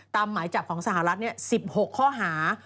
หมายจับของสหรัฐ๑๖ข้อหา